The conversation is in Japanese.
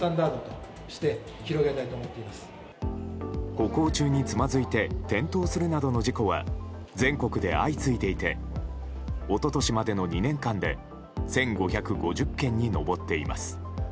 歩行中につまずいて転倒するなどの事故は全国で相次いでいて一昨年までの２件間で１５５０件に上っています。